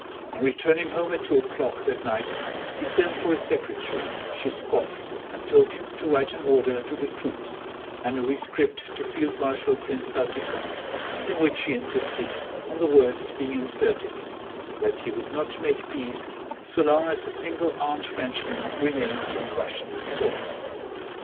On returning home at two o'clock that night he sent for his secretary, Shishkóv, and told him to write an order to the troops and a rescript to Field Marshal Prince Saltykóv, in which he insisted on the words being inserted that he would not make peace so long as a single armed Frenchman remained on Russian soil.